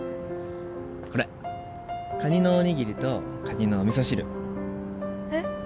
これカニのおにぎりとカニのおみそ汁えっ？